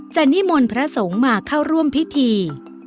นิมนต์พระสงฆ์มาเข้าร่วมพิธี